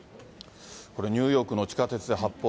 これ、ニューヨークの地下鉄で発砲。